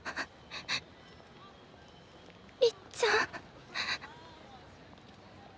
りっちゃん。